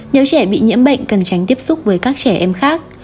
nếu trẻ bị nhiễm bệnh cần tránh tiếp xúc với các trẻ em khác